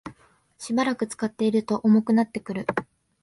しばらく使っていると重くなってくる